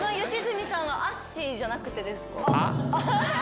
良純さんはアッシーじゃなくあっ？